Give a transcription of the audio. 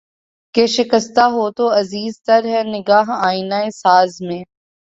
کہ شکستہ ہو تو عزیز تر ہے نگاہ آئنہ ساز میں